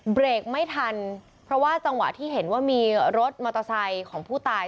เบรกไม่ทันเพราะว่าจังหวะที่เห็นว่ามีรถมอเตอร์ไซค์ของผู้ตาย